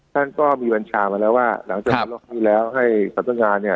ท่านก็มีบัญชามาแล้วว่าหลังจากประโลกนี้แล้วให้สัตว์ต้นงานเนี่ย